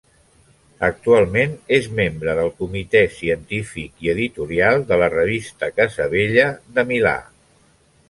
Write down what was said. Actualment és membre del comitè científic i editorial de la revista Casabella, de Milà.